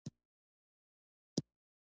خو په افغانستان کې یې داسې حکومت جوړ کړ.